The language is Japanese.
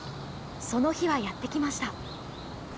その日はやってきました。